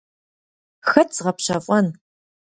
Хэт згъэпщэфӀэн?